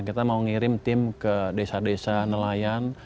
kita mau ngirim tim ke desa desa nelayan